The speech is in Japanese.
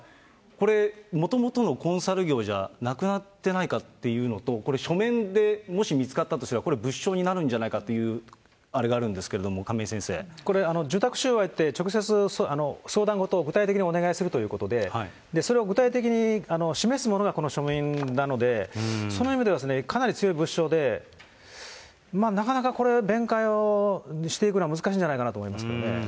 これ、もともとのコンサル業じゃなくなってないかっていうのと、これ、書面でもし見つかったとすれば、これは物証になるんじゃないかというあれがあるんですが、亀井先これ、受託収賄って直接相談事を具体的にお願いするということで、それを具体的に示すものがこの書面なので、その意味ではかなり強い物証で、なかなかこれ、弁解をしていくのは難しいんじゃないかなと思いますけれどもね。